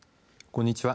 こんにちは。